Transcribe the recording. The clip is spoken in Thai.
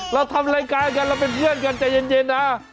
เราทำรายการกันเราเป็นเพื่อนกันใจเย็นนะ